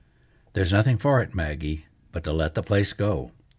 * "There's nothing for it, Maggie, but to let the place go.